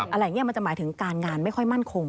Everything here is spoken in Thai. อะไรอย่างนี้มันจะหมายถึงการงานไม่ค่อยมั่นคง